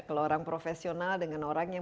kalau orang profesional dengan orang yang